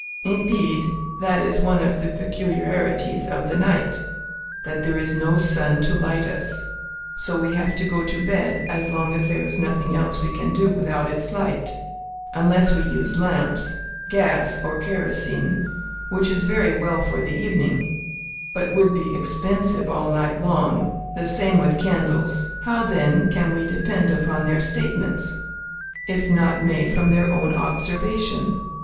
Indeed, that is one of the peculiarities of the night, that there is no sun to light us, so we have to go to bed as long as there is nothing else we can do without its light, unless we use lamps, gas, or kerosene, which is very well for the evening, but would be expensive all night long; the same with candles. How, then, can we depend upon their statements, if not made from their own observation?